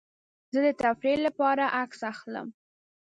زه د تفریح لپاره عکس اخلم.